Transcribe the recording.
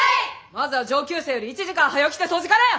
まずは上級生より１時間はよ来て掃除からや！